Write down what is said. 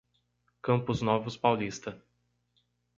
Campos Novos Paulista